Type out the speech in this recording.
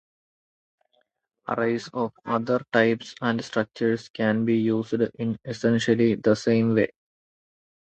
Arrays of other types and structures can be used in essentially the same way.